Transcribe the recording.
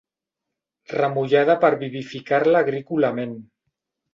Remullada per vivificar-la agrícolament.